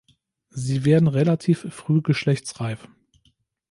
Sie werden relativ früh geschlechtsreif.